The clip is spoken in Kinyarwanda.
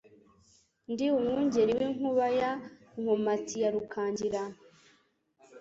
Ndi umwungeri w'inkuba Ya Nkomati ya Rukangira,